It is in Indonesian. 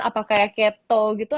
apakah keto gitu